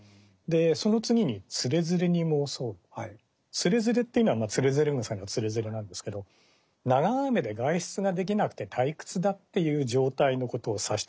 つれづれっていうのは「徒然草」のつれづれなんですけど長雨で外出ができなくて退屈だっていう状態のことを指してるんです。